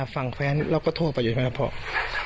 ฝั่งแฟนเขา